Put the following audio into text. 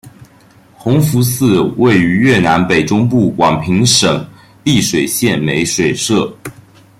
弘福寺位于越南北中部广平省丽水县美水社。